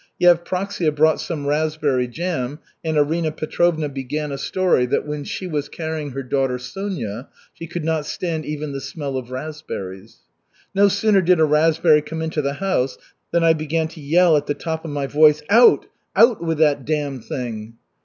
Yevpraksia brought some raspberry jam, and Arina Petrovna began a story that when she was carrying her daughter Sonya she could not stand even the smell of raspberries. "No sooner did a raspberry come into the house than I began to yell at the top of my voice, 'Out, out with that damned thing!'